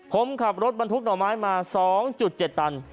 ผมขับรถบรรทุกหน่อไม้มา๒๗ตัน